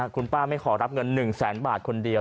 คุณป้าไม่ขอรับเงิน๑แสนบาทคนเดียว